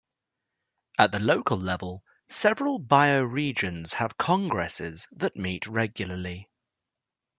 At the local level, several bioregions have congresses that meet regularly.